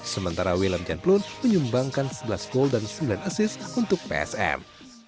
sementara willem jan klun menyumbangkan sebelas gol dan sembilan asis untuk psm